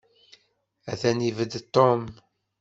Atan ibedd Tom.